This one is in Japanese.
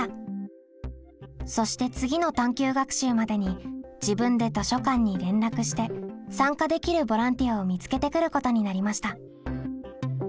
そして次の探究学習までに自分で図書館に連絡して参加できるボランティアを見つけてくることになりました。